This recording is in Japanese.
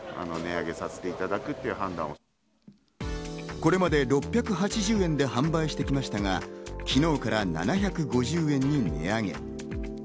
これまで６８０円で販売してきましたが、昨日から７５０円に値上げ。